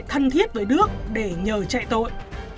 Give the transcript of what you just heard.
thân thiết với đức để nhờ chạy tội